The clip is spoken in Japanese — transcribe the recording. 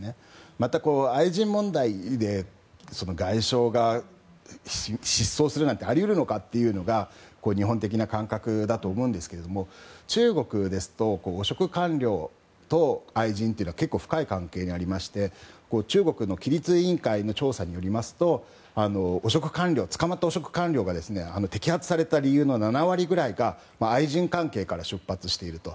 また、愛人問題で外相が失踪するなんてあり得るのかというのが日本的な感覚だと思うんですが中国ですと汚職官僚と愛人というのは結構、深い関係にありまして中国の規律委員会の調査によりますと捕まった汚職官僚が摘発された理由の７割くらいが愛人関係から出発していると。